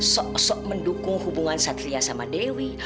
sok sok mendukung hubungan satria sama dewi